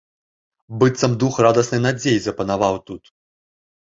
Быццам дух радаснай надзеі запанаваў тут.